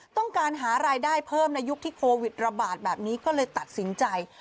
ต้องการหารายได้เพิ่มในยุคที่โควิดระบาดแบบนี้ก็เลยตัดสินใจ